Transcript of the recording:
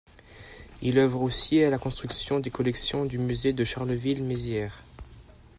Il œuvre aussi à la constitution des collections du musée de Charleville Mézières.